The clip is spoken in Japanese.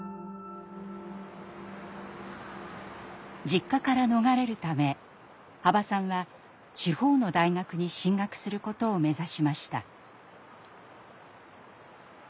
実家から逃れるため羽馬さんは地方の大学に進学することを目指しました。